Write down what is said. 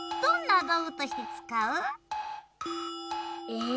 え！